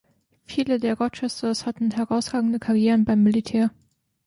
Viele der Rochesters hatten herausragende Karrieren beim Militär.